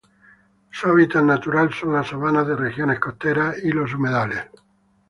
Su hábitat natural son las sabanas de regiones costeras y los humedales.